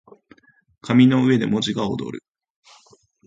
紙の上で文字が躍る